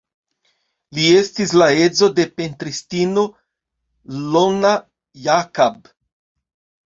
Li estis la edzo de pentristino Ilona Jakab.